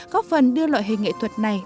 có phần đưa loại hình nghệ thuật này